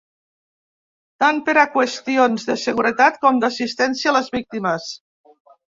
Tant per a qüestions de seguretat com d’assistència a les víctimes.